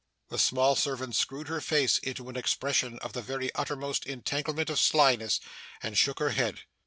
The small servant screwed her face into an expression of the very uttermost entanglement of slyness, and shook her head.